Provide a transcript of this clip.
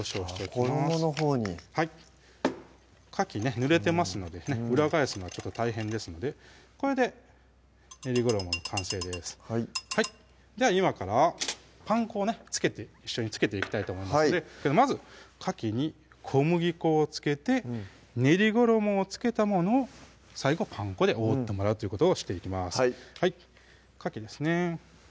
衣のほうにかきねぬれてますので裏返すのは大変ですのでこれで練り衣の完成ですはいじゃあ今からパン粉をね一緒に付けていきたいと思いますのでまずかきに小麦粉を付けて練り衣を付けたものを最後パン粉で覆ってもらうということをしていきますかきですね